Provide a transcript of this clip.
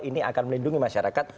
ini akan melindungi masyarakat